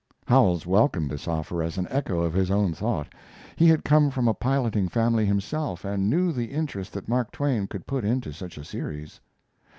Howells welcomed this offer as an echo of his own thought. He had come from a piloting family himself, and knew the interest that Mark Twain could put into such a series.